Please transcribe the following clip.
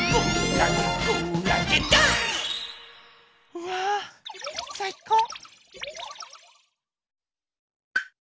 うわさいこう。